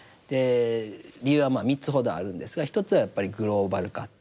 理由はまあ３つほどあるんですが１つはやっぱりグローバル化。